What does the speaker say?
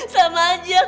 sama aja kak